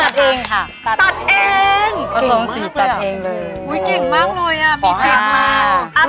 ตัดเองเก่งมากเลยอ่ะมีเก่งมาก